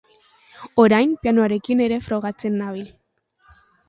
Orain, pianoarekin ere frogatzen nabil.